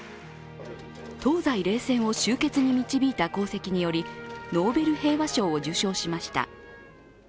東西冷戦を終結に導いた功績によりノーベル平和賞を受賞しました。